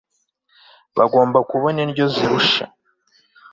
Bagomba kubona indyo zirusha